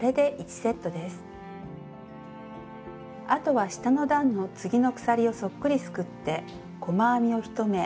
あとは下の段の次の鎖をそっくりすくって細編みを１目。